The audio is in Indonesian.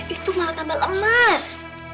itu malah tambah lemas